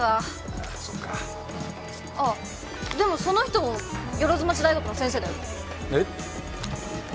あっそっかうあっでもその人も万町大学の先生えっ？